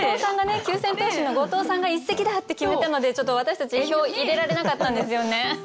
四千頭身の後藤さんが「一席だ！」って決めたのでちょっと私たち票を入れられなかったんですよね。